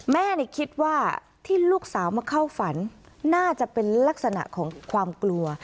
แม่คิดว่าที่ลูกสาวมาเข้าฝันน่าจะเป็นลักษณะของความกลัว